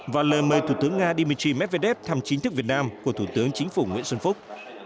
và lời mời thủ tướng nga dmitry medvedev thăm chính thức việt nam của thủ tướng chính phủ nguyễn xuân phúc